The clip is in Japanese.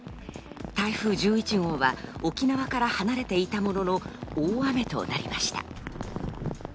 台風１１号は沖縄から離れていたものの、大雨となりました。